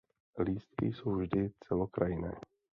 Lístky jsou vždy celokrajné.